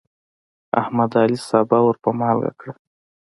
احمد د علي سابه ور په مالګه کړل.